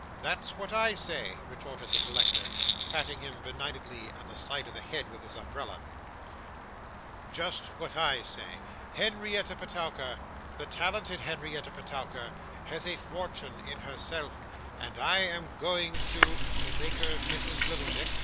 'That's what I say,' retorted the collector, patting him benignantly on the side of the head with his umbrella; 'just what I say. Henrietta Petowker, the talented Henrietta Petowker has a fortune in herself, and I am going to ' 'To make her Mrs. Lillyvick?